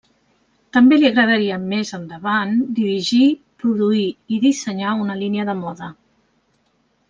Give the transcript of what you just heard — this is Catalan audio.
També li agradaria més endavant dirigir, produir i dissenyar una línia de moda.